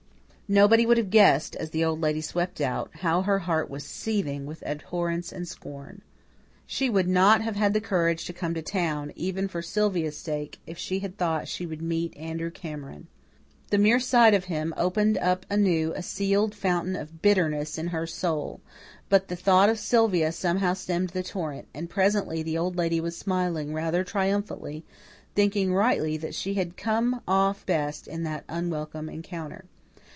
Nobody would have guessed, as the Old Lady swept out, how her heart was seething with abhorrence and scorn. She would not have had the courage to come to town, even for Sylvia's sake, if she had thought she would meet Andrew Cameron. The mere sight of him opened up anew a sealed fountain of bitterness in her soul; but the thought of Sylvia somehow stemmed the torrent, and presently the Old Lady was smiling rather triumphantly, thinking rightly that she had come off best in that unwelcome encounter.